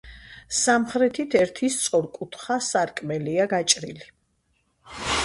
სამხრეთით ერთი სწორკუთხა სარკმელია გაჭრილი.